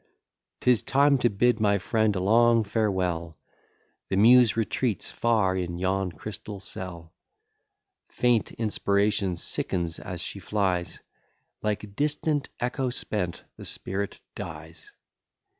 'Tis time to bid my friend a long farewell, The muse retreats far in yon crystal cell; Faint inspiration sickens as she flies, Like distant echo spent, the spirit dies.